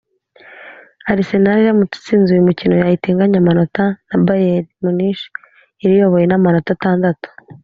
Arsenal iramutse itsinze uyu mukino yahita inganya amanota na Bayern Munich iriyoboye n’amanota atandatu